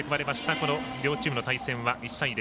この両チームの対戦は１対０。